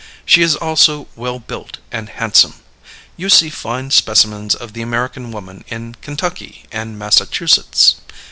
She is also well built and handsome. You see fine specimens of the American woman in Kentucky and Massachusetts.